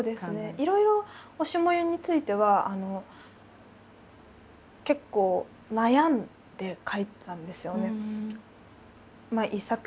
いろいろ「推し、燃ゆ」については結構悩んで書いてたんですよね。